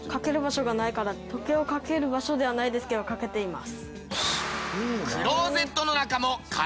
時計をかける場所ではないですけどかけています。